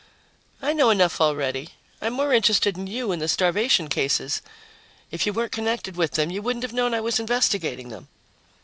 "I know enough already. I'm more interested in you and the starvation cases. If you weren't connected with them, you wouldn't have known I was investigating them."